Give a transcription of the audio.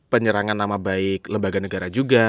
penyerangan nama baik lembaga negara juga